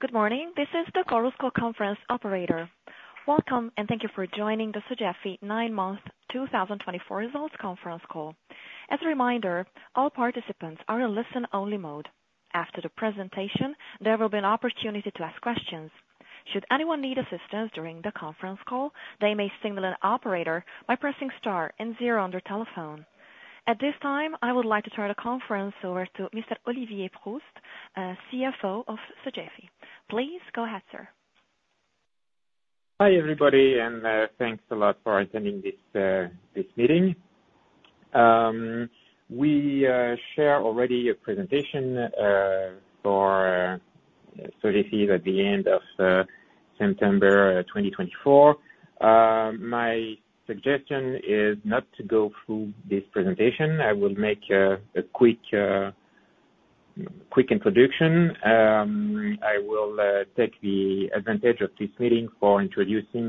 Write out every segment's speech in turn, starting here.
Good morning, this is your conference operator. Welcome, and thank you for joining the Sogefi nine-month 2024 results conference call. As a reminder, all participants are in listen-only mode. After the presentation, there will be an opportunity to ask questions. Should anyone need assistance during the conference call, they may signal an operator by pressing star and zero on their telephone. At this time, I would like to turn the conference over to Mr. Olivier Proust, CFO of Sogefi. Please go ahead, sir. Hi, everybody, and thanks a lot for attending this meeting. We share already a presentation for Sogefi at the end of September 2024. My suggestion is not to go through this presentation. I will make a quick introduction. I will take the advantage of this meeting for introducing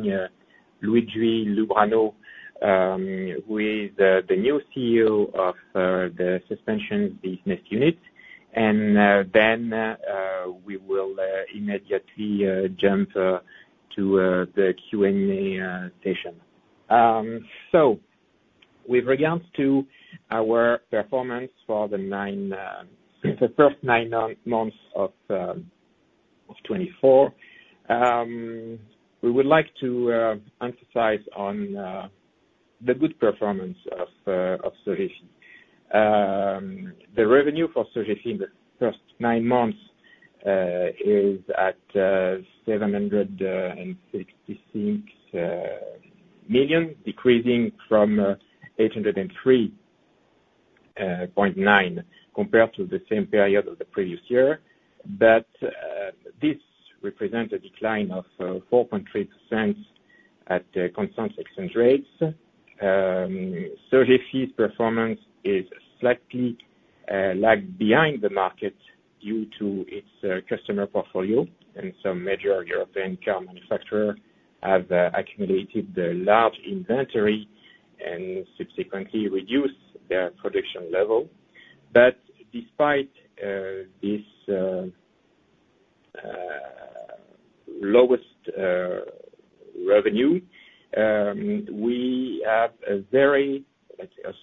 Luigi Lubrano, who is the new CEO of the Suspension business unit, and then we will immediately jump to the Q&A session. So with regards to our performance for the first nine months of 2024, we would like to emphasize on the good performance of Sogefi. The revenue for Sogefi in the first nine months is at 766 million, decreasing from 803.9 million compared to the same period of the previous year. But this represent a decline of 4.3% at constant exchange rates. Sogefi's performance is slightly lagged behind the market due to its customer portfolio, and some major European car manufacturers have accumulated a large inventory and subsequently reduced their production level. But despite this lowest revenue, we have a very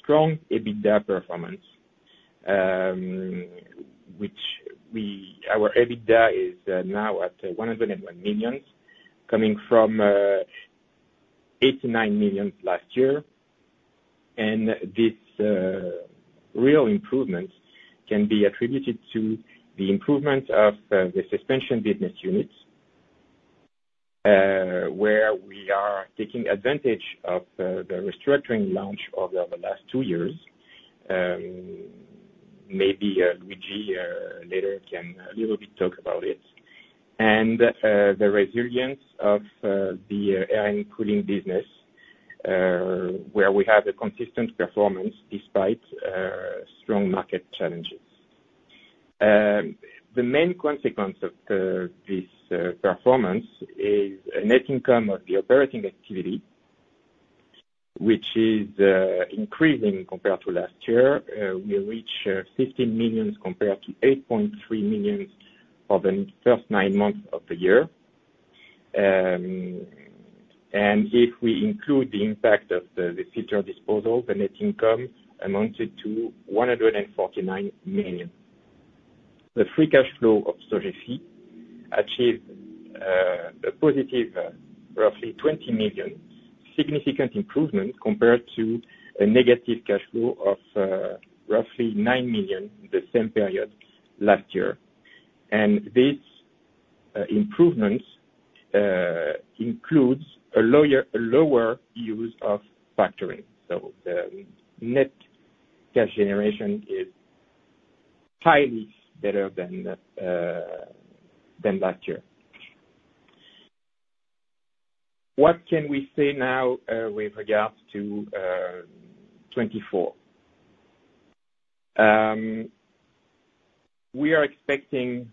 strong EBITDA performance, which our EBITDA is now at 101 million, coming from 89 million last year. This real improvement can be attributed to the improvement of the Suspension business units, where we are taking advantage of the restructuring launch over the last two years. Maybe Luigi later can a little bit talk about it. The resilience of the Air and Cooling business, where we have a consistent performance despite strong market challenges. The main consequence of this performance is a net income of the operating activity, which is increasing compared to last year. We reached 15 million compared to 8.3 million for the first nine months of the year. If we include the impact of the future disposal, the net income amounted to 149 million. The free cash flow of Sogefi achieved a positive, roughly 20 million, significant improvement compared to a negative cash flow of roughly 9 million in the same period last year. And this improvement includes a lower use of factoring. So the net cash generation is highly better than last year. What can we say now with regards to 2024? Sorry, 2024.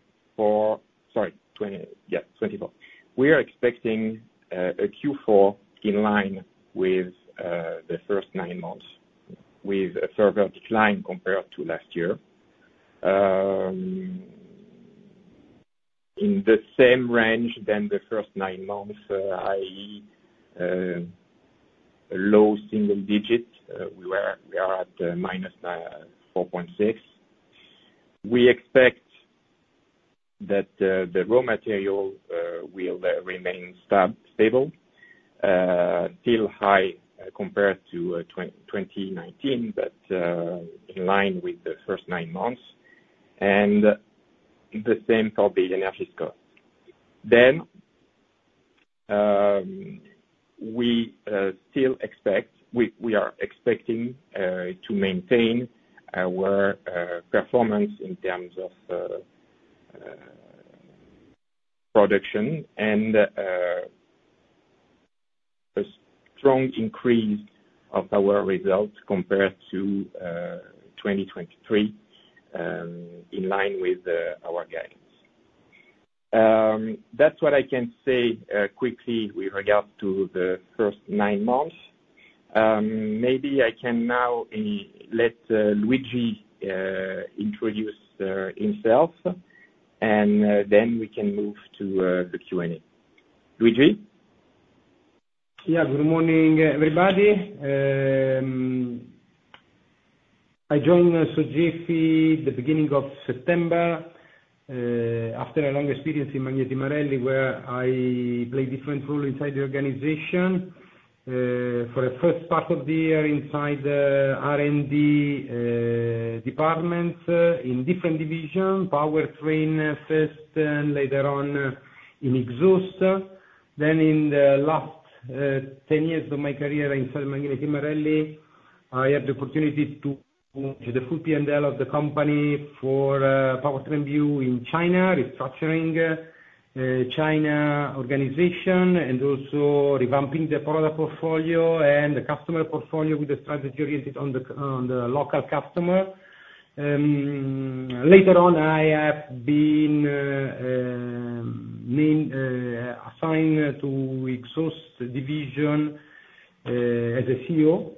We are expecting a Q4 in line with the first nine months, with a further decline compared to last year. In the same range than the first nine months, i.e., a low single digit, we were, we are at minus 4.6%. We expect that the raw material will remain stable, still high compared to 2019, but in line with the first nine months, and the same for the energy costs. Then we are expecting to maintain our performance in terms of production and a strong increase of our results compared to 2023, in line with our guidance. That's what I can say quickly with regards to the first nine months. Maybe I can now let Luigi introduce himself, and then we can move to the Q&A. Luigi? Yeah. Good morning, everybody. I joined Sogefi the beginning of September, after a long experience in Magneti Marelli, where I played different role inside the organization. For the first part of the year, inside the R&D department, in different division, Powertrain, first, and later on, in Exhaust. Then in the last ten years of my career inside Magneti Marelli, I had the opportunity to do the full P&L of the company for Powertrain BU in China, restructuring China organization, and also revamping the product portfolio and the customer portfolio with a strategy oriented on the local customer Later on, I have been mainly assigned to Exhaust division as a CEO,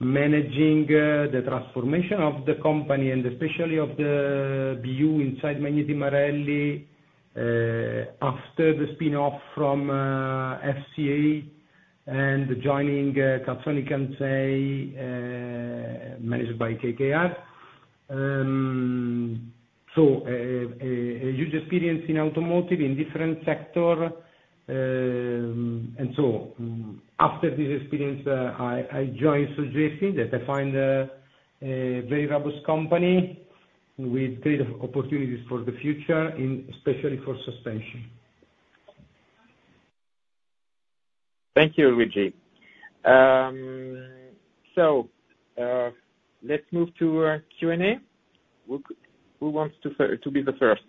managing the transformation of the company and especially of the BU inside Magneti Marelli after the spin-off from FCA and joining Calsonic Kansei managed by KKR. So, a huge experience in automotive, in different sector. After this experience, I joined Sogefi that I find a very robust company with great opportunities for the future and especially for suspension. Thank you, Luigi. So, let's move to Q&A. Who wants to be the first?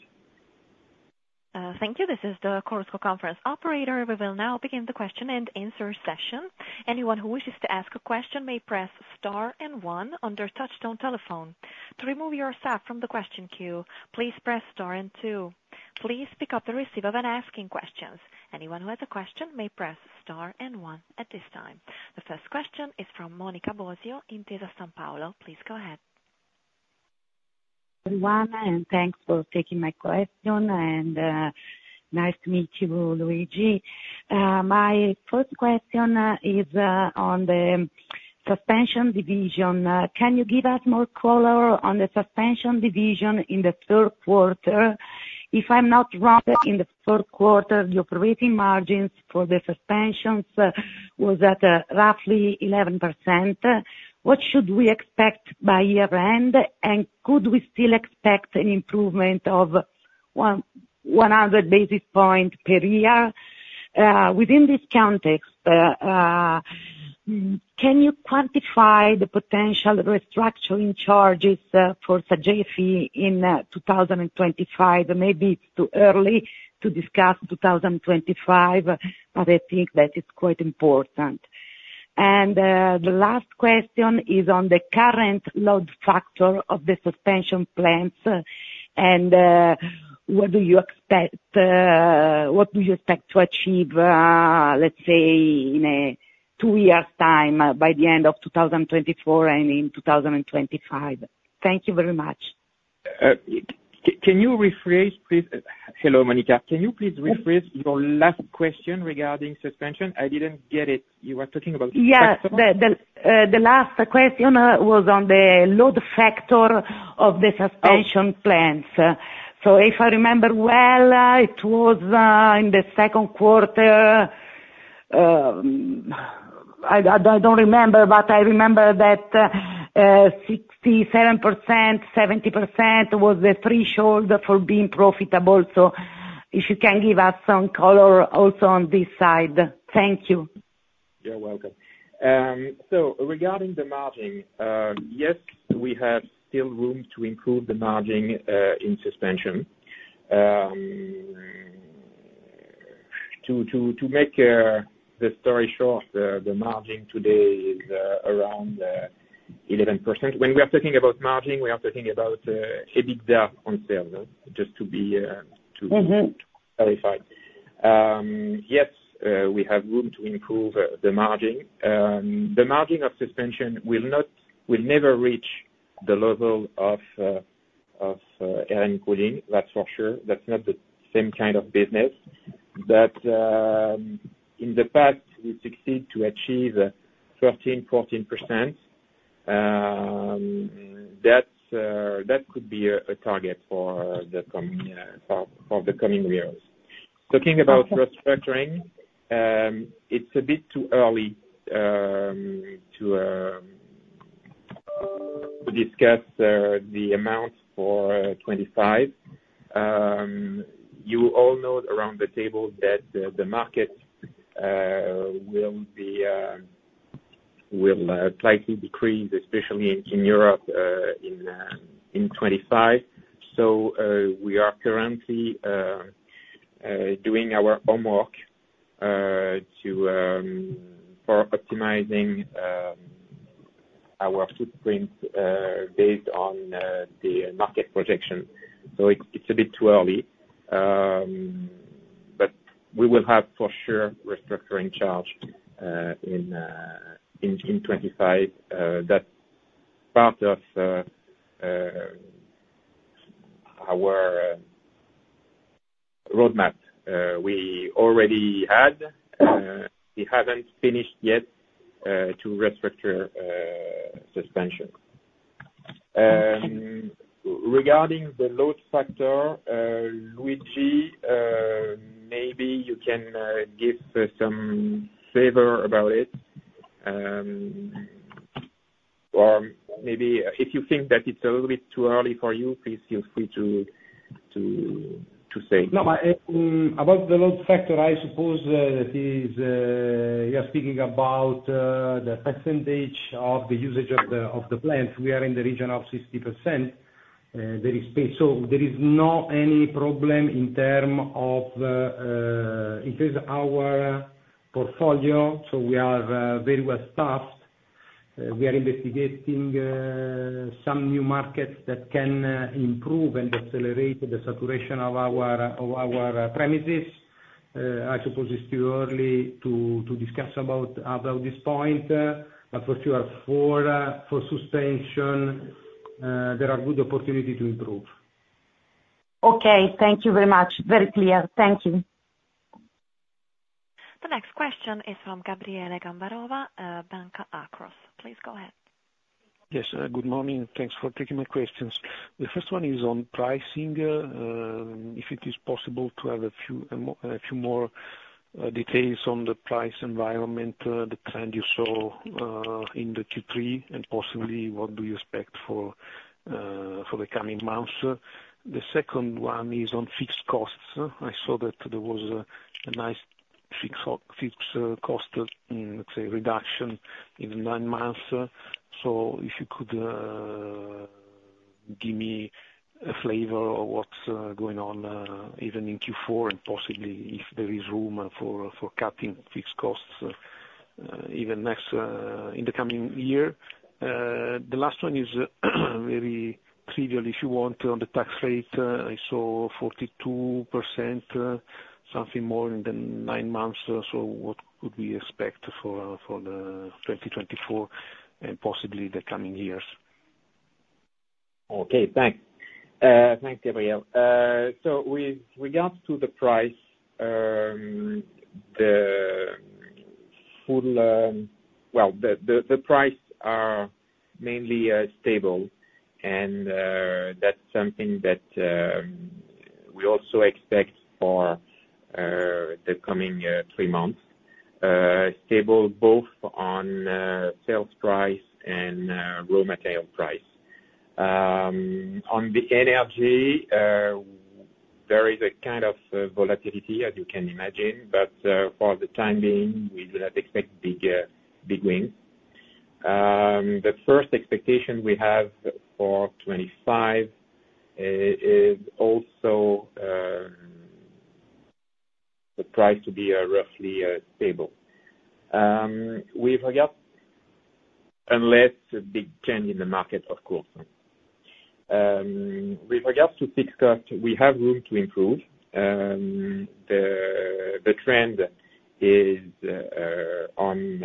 Thank you. This is the conference operator. We will now begin the question and answer session. Anyone who wishes to ask a question may press star and one on their touch-tone telephone. To remove yourself from the question queue, please press star and two. Please pick up the receiver when asking questions. Anyone who has a question may press star and one at this time. The first question is from Monica Bosio, Intesa Sanpaolo. Please go ahead. Everyone, and thanks for taking my question, and, nice to meet you, Luigi. My first question is on the Suspension division. Can you give us more color on the Suspension division in the third quarter? If I'm not wrong, in the third quarter, the operating margins for the Suspensions was at roughly 11%. What should we expect by year end, and could we still expect an improvement of one hundred basis points per year? Within this context, can you quantify the potential restructuring charges for Sogefi in 2025? Maybe it's too early to discuss two thousand and twenty-five, but I think that is quite important. The last question is on the current load factor of the suspension plants, and what do you expect to achieve, let's say, in a two years' time, by the end of 2024 and in 2025? Thank you very much. Can you rephrase, please? Hello, Monica. Can you please rephrase your last question regarding Suspension? I didn't get it. You were talking about- Yeah. The last question was on the load factor of the suspension... Oh. So if I remember well, it was in the second quarter. I don't remember, but I remember that 67%, 70% was the threshold for being profitable. So if you can give us some color also on this side. Thank you. You're welcome. So regarding the margin, yes, we have still room to improve the margin in Suspension. To make the story short, the margin today is around 11%. When we are talking about margin, we are talking about EBITDA on sales, just to be to- Mm-hmm. Clarify. Yes, we have room to improve the margin. The margin of Suspension will not, will never reach the level of Air and Cooling, that's for sure. That's not the same kind of business, but in the past, we succeed to achieve 13 to 14%. That could be a target for the coming years. Okay. Talking about restructuring, it's a bit too early to discuss the amounts for 2025. You all know around the table that the market will slightly decrease, especially in Europe, in 2025. So, we are currently doing our homework for optimizing. Our footprint, based on, the market projection. So it's a bit too early, but we will have for sure restructuring charge, in 2025. That's part of our roadmap. We already had, we haven't finished yet, to restructure Suspension. Regarding the load factor, Luigi, maybe you can give some flavor about it, or maybe if you think that it's a little bit too early for you, please feel free to say. No, about the load factor, I suppose, it is, you are speaking about, the percentage of the usage of the plants. We are in the region of 60%, there is space. So there is no any problem in term of, it is our portfolio, so we are very well staffed. We are investigating some new markets that can improve and accelerate the saturation of our premises. I suppose it's too early to discuss about this point, but for sure, for suspension, there are good opportunity to improve. Okay. Thank you very much. Very clear. Thank you. The next question is from Gabriele Gambarova, Banca Akros. Please go ahead. Yes, good morning. Thanks for taking my questions. The first one is on pricing, if it is possible to have a few more details on the price environment, the trend you saw in the Q3, and possibly what do you expect for the coming months? The second one is on fixed costs. I saw that there was a nice fixed cost, let's say, reduction in the nine months. So if you could give me a flavor of what's going on, even in Q4, and possibly if there is room for cutting fixed costs, even next year. The last one is, very trivial, if you want, on the tax rate. I saw 42%, something more in the nine months. So what could we expect for the 2024, and possibly the coming years? Okay, thanks. Thanks, Gabriele. So with regards to the price. Well, the price are mainly stable, and that's something that we also expect for the coming three months. Stable both on sales price and raw material price. On the energy, there is a kind of volatility, as you can imagine, but for the time being, we do not expect big wins. The first expectation we have for 2025 is also the price to be roughly stable. With regards, unless a big change in the market, of course. With regards to fixed cost, we have room to improve. The trend is on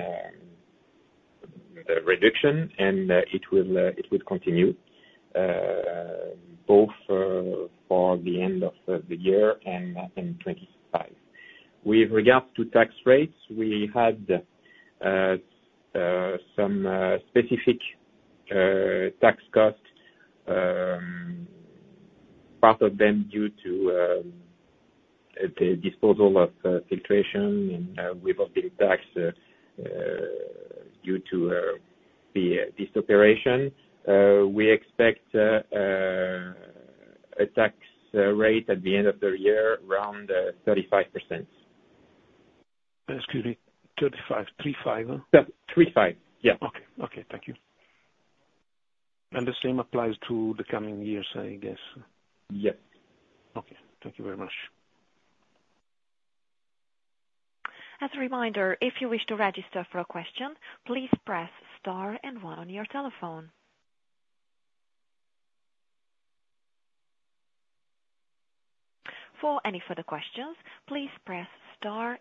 the reduction, and it will continue both for the end of the year and 2025. With regard to tax rates, we had some specific tax costs, part of them due to the disposal of Filtration and we've been taxed due to this operation. We expect a tax rate at the end of the year around 35%. Excuse me, 35, three-five? Yeah, three-five. Yeah. Okay. Okay, thank you. And the same applies to the coming years, I guess? Yep. Okay. Thank you very much. As a reminder, if you wish to register for a question, please press star and one on your telephone. For any further questions, please press star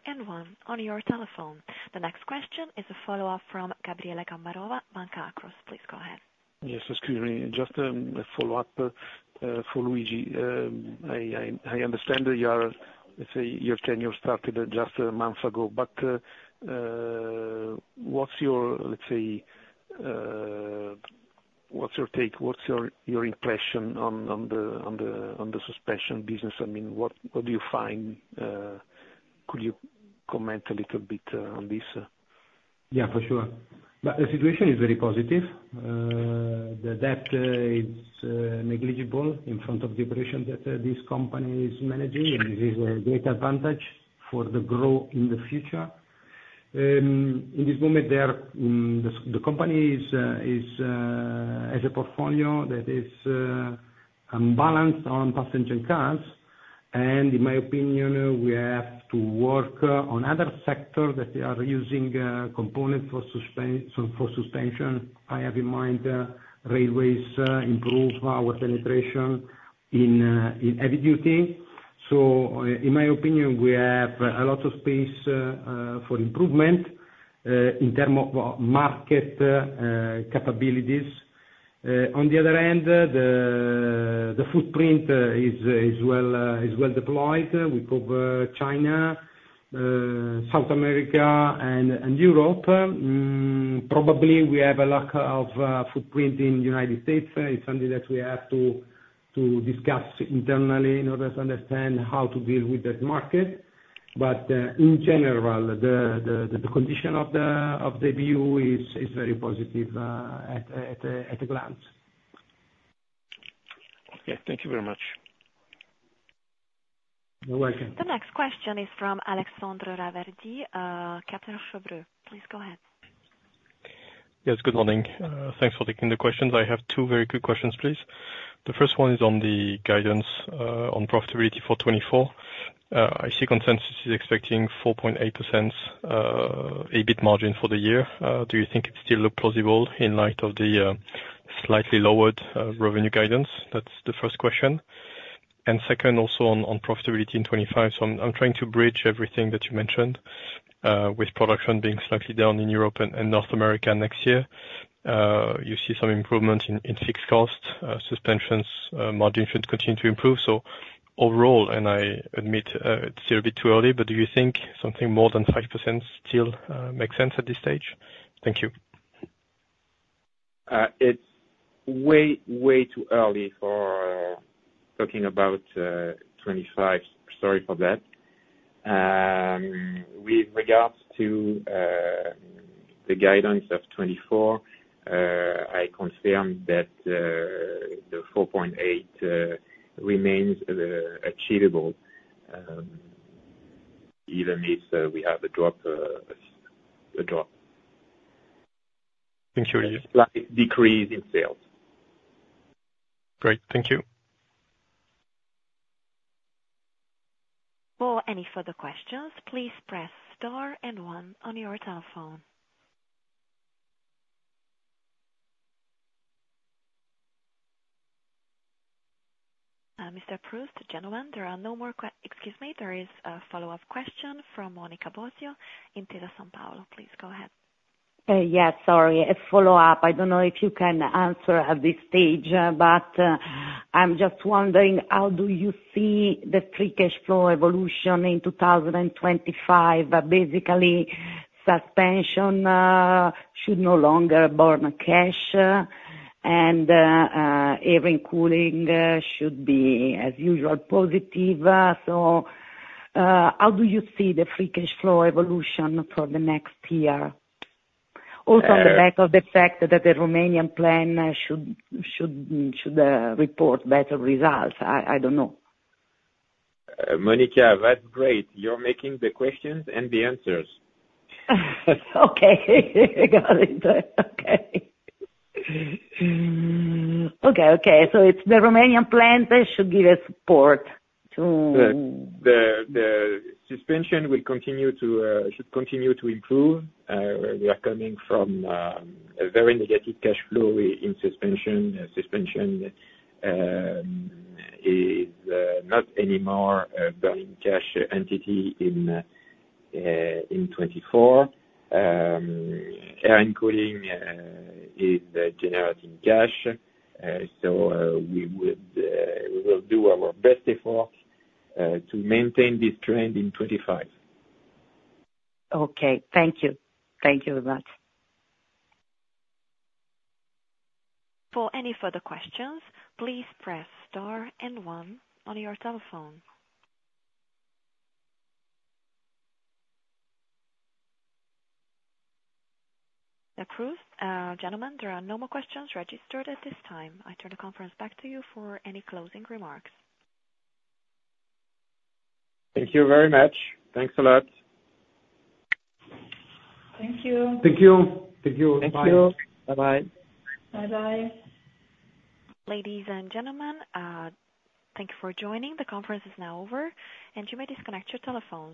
and one on your telephone. The next question is a follow-up from Gabriele Gambarova, Banca Akros. Please go ahead. Yes, excuse me, just a follow-up for Luigi. I understand that you are, let's say, your tenure started just a month ago, but what's your, let's say, what's your impression on the suspension business? I mean, what do you find could you comment a little bit on this? Yeah, for sure. The situation is very positive. The debt is negligible in front of the operation that this company is managing, and it is a great advantage for the growth in the future. In this moment, the company has a portfolio that is unbalanced on passenger cars. In my opinion, we have to work on other sector that they are using component for suspense, for suspension. I have in mind railways, improve our penetration in heavy duty. So, in my opinion, we have a lot of space for improvement in term of market capabilities. On the other hand, the footprint is well deployed. We cover China, South America and Europe. Probably we have a lack of footprint in United States. It's something that we have to discuss internally in order to understand how to deal with that market. But in general, the condition of the BU is very positive at a glance. Okay. Thank you very much. You're welcome. The next question is from Alexandre Raverdy, Kepler Cheuvreux. Please go ahead. Yes, good morning. Thanks for taking the questions. I have two very quick questions, please. The first one is on the guidance, on profitability for 2024. I see consensus is expecting 4.8% EBIT margin for the year. Do you think it's still plausible in light of the slightly lowered revenue guidance? That's the first question. And second, also on profitability in 2025. So I'm trying to bridge everything that you mentioned, with production being slightly down in Europe and North America next year. You see some improvement in fixed costs, suspensions margin should continue to improve. So overall, and I admit, it's still a bit too early, but do you think something more than 5% still makes sense at this stage? Thank you. It's way, way too early for talking about 2025. Sorry for that. With regards to the guidance of 2024, I confirm that the 4.8 remains achievable, even if we have a drop. Thank you. A slight decrease in sales. Great. Thank you. For any further questions, please press star and one on your telephone. Mr. Proust, gentlemen, there are no more questions. Excuse me, there is a follow-up question from Monica Bosio, Intesa Sanpaolo. Please go ahead. Yes, sorry, a follow-up. I don't know if you can answer at this stage, but, I'm just wondering, how do you see the free cash flow evolution in 2025? Basically, Suspension should no longer burn cash, and air cooling should be, as usual, positive. So, how do you see the free cash flow evolution for the next year? Also, on the back of the fact that the Romanian plant should report better results. I don't know. Monica, that's great. You're making the questions and the answers. Okay. Got it. So it's the Romanian plant that should give us support to- The Suspension should continue to improve. We are coming from a very negative cash flow in Suspension. Suspension is not anymore burning cash entity in 2024. Air and Cooling is generating cash. So, we will do our best effort to maintain this trend in 2025. Okay. Thank you. Thank you very much. For any further questions, please press star and one on your telephone. Mr. Proust, gentlemen, there are no more questions registered at this time. I turn the conference back to you for any closing remarks. Thank you very much. Thanks a lot. Thank you. Thank you. Thank you. Thank you. Bye-bye. Bye-bye. Ladies and gentlemen, thank you for joining. The conference is now over, and you may disconnect your telephones.